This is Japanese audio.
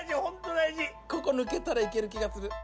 ここ抜けたらいける気がする。